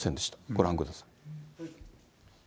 ご覧ください。